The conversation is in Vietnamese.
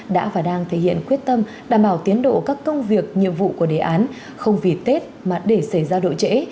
đã và đang thể hiện quyết tâm đảm bảo tiến độ các công việc nhiệm vụ của đề án không vì tết mà để xảy ra độ trễ